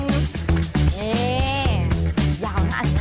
นี่ยาวนักศัพท์